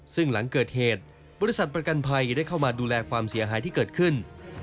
ซึ่งหลังเกิดเหตุบริษัทประกันภัยได้เข้ามาดูแลความเสียหายที่เกิดขึ้น